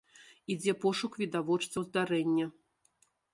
Ідзе пошук відавочцаў здарэння.